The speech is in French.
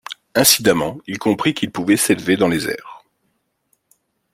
Incidemment il comprit qu’il pouvait s’élever dans les airs.